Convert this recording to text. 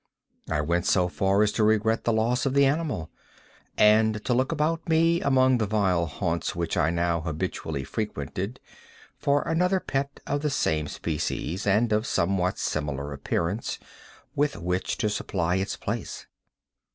I went so far as to regret the loss of the animal, and to look about me, among the vile haunts which I now habitually frequented, for another pet of the same species, and of somewhat similar appearance, with which to supply its place.